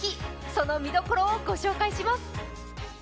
その見どころをご紹介します